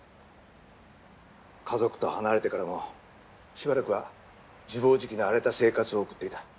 家族と離れてからもしばらくは自暴自棄な荒れた生活を送っていた。